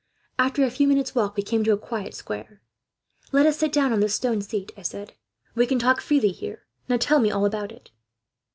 "After a few minutes' walk, we came to a quiet square. "'Let us sit down on this stone seat,' I said. 'We can talk freely here. Now, tell me all about it.'